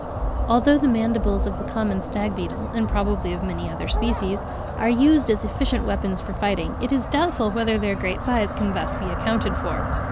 Although the mandibles of the common stag beetle, and probably of many other species, are used as efficient weapons for fighting, it is doubtful whether their great size can thus be accounted for.